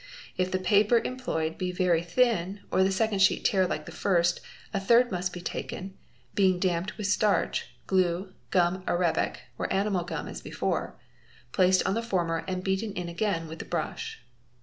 If the paper employed be very thin or the second sheet tear like the first, a third must be taken (being damped with starch, glue, gum arabic, or animal gum as before) placed on the former and beaten in again with the brush.